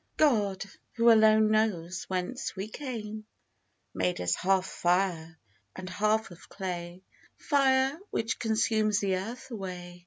GOD, who alone knows whence we came, Made us half fire, and half of clay, Fire, which consumes the earth away.